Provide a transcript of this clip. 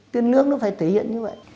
tiền lương nó phải thể hiện như vậy